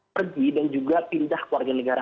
pergi dan juga pindah ke warga negara